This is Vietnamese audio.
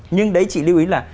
nhưng đấy chị lưu ý là